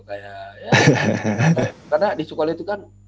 karena di sekolah itu kan